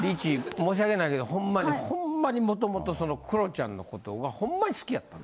申し訳ないけどホンマにホンマにもともとそのクロちゃんのことがホンマに好きやったん？